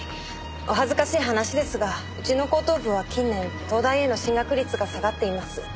お恥ずかしい話ですがうちの高等部は近年東大への進学率が下がっています。